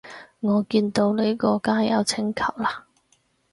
我見到你個加友請求啦